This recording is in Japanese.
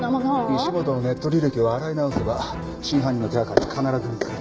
石本のネット履歴を洗い直せば真犯人の手掛かりが必ず見つかる。